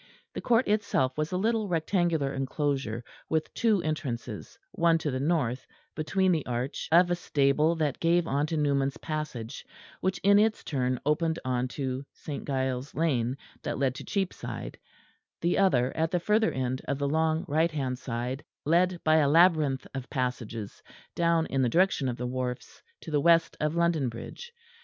The court itself was a little rectangular enclosure with two entrances, one to the north beneath the arch of a stable that gave on to Newman's Passage, which in its turn opened on to St. Giles' Lane that led to Cheapside; the other, at the further end of the long right hand side, led by a labyrinth of passages down in the direction of the wharfs to the west of London Bridge.